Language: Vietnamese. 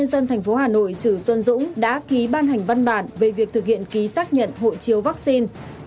ubnd tp hà nội trữ xuân dũng đã ký ban hành văn bản về việc thực hiện ký xác nhận hộ chiếu vaccine